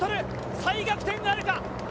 再逆転なるか？